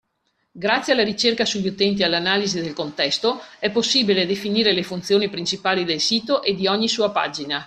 Grazie alla ricerca sugli utenti e all’analisi del contesto, è possibile definire le funzioni principali del sito e di ogni sua pagina.